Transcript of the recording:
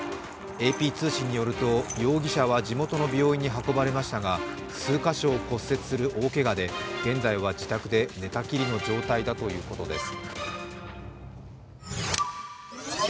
ＡＰ通信によると容疑者は地元の病院に運ばれましたが数か所を骨折する大けがで現在は自宅で寝たきりの状態だということです。